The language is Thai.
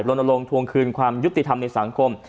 ลงทวงคืนความยุติธรรมในสังคม